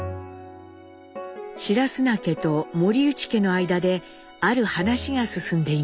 白砂家と森内家の間である話が進んでいました。